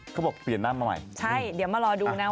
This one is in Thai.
เขาบอกเปลี่ยนน้ำมาใหม่ใช่เดี๋ยวมารอดูนะ